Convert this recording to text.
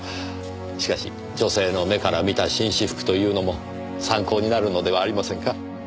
しかし女性の目から見た紳士服というのも参考になるのではありませんか？